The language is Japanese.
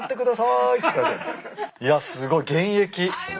いやすごい。現役。